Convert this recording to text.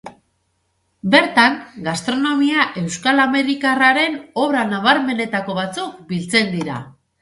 Bertan, gastronomia euskal-amerikarraren obra nabarmenetako batzuk biltzen dira.